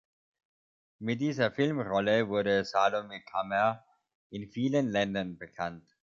Mit dieser Filmrolle wurde Salome Kammer in vielen Ländern bekannt.